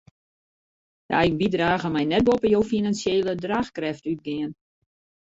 De eigen bydrage mei net boppe jo finansjele draachkrêft útgean.